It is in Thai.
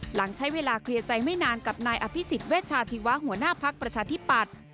หลังใช้เวลาเคลียร์ใจไม่นานกับนายอภิษฎเวชาชีวะหัวหน้าภักดิ์ประชาธิปัตย์